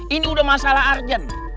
ini udah masalah arjen